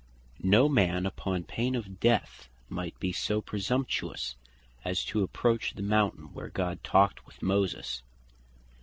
No man upon pain of death might be so presumptuous as to approach the Mountain where God talked with Moses.